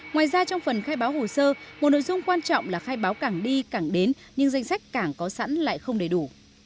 ngoài ra trong phần khai báo hồ sơ một nội dung quan trọng là khai báo cảng đi cảng đến nhưng danh sách cảng có sẵn lại không đầy đủ